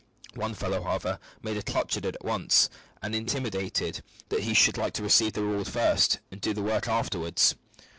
One fellow, however, made a clutch at it at once, and intimated that he should like to receive the reward first and do the work afterwards.